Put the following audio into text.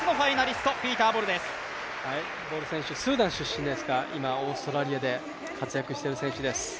スーダン出身ですが今、オーストラリアで活躍してる選手です。